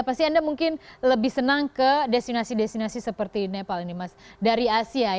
pasti anda mungkin lebih senang ke destinasi destinasi seperti nepal ini mas dari asia